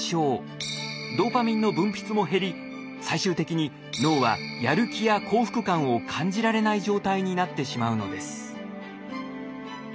ドーパミンの分泌も減り最終的に脳はやる気や幸福感を感じられない状態になってしまうのです。